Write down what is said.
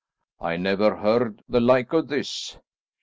"I never heard the like of this!"